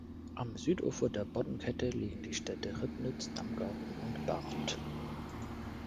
Am Südufer der Boddenkette liegen die Städte Ribnitz-Damgarten und Barth.